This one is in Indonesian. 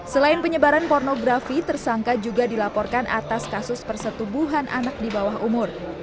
selain penyebaran pornografi tersangka juga dilaporkan atas kasus persetubuhan anak di bawah umur